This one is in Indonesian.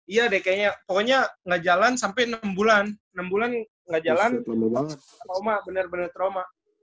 iya deh kayaknya pokoknya nggak jalan sampai enam bulan enam bulan nggak jalan trauma benar benar trauma